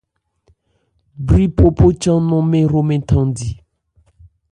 Bwri phohpo chan nnɔ́n hromɛn thandi.